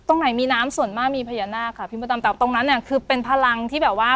ตรงไหนมีน้ำส่วนมากมีพญานาคค่ะพี่มดดำแต่ตรงนั้นเนี่ยคือเป็นพลังที่แบบว่า